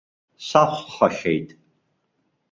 Сахәхахьеит.